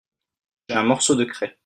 J'ai un morceau de craie.